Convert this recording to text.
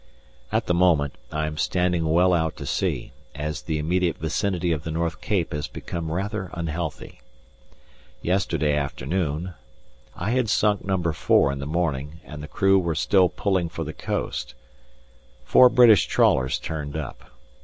At the moment I am standing well out to sea, as the immediate vicinity of the North Cape has become rather unhealthy. Yesterday afternoon (I had sunk number four in the morning, and the crew were still pulling for the coast) four British trawlers turned up.